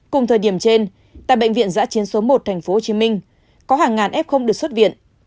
cùng thời điểm trên tại bệnh viện giã chiến số một tp hcm có hàng ngàn f được xuất viện